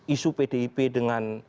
isu pdip dengan